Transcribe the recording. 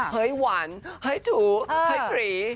เฮ้ยหวานเฮ้ยถูกเฮ้ยถรี